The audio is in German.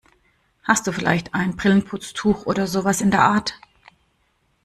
Hast du vielleicht ein Brillenputztuch oder sowas in der Art?